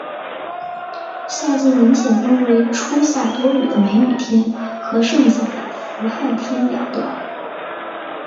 夏季明显分为初夏多雨的梅雨天和盛夏的伏旱天两段。